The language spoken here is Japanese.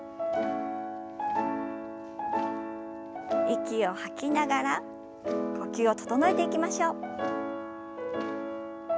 息を吐きながら呼吸を整えていきましょう。